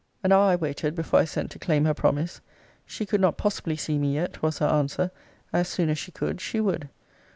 An hour I waited before I sent to claim her promise. She could not possibly see me yet, was her answer. As soon as she could, she would.